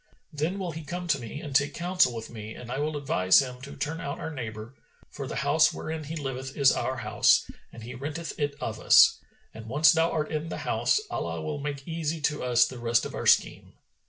Then will he come to me and take counsel with me, and I will advise him to turn out our neighbour, for the house wherein he liveth is our house and he renteth it of us; and once thou art in the house, Allah will make easy to us the rest of our scheme."